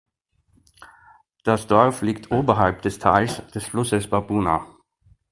Das Dorf liegt oberhalb des Tals des Flusses Babuna.